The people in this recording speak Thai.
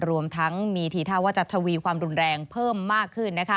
รวมทั้งมีทีท่าว่าจะทวีความรุนแรงเพิ่มมากขึ้น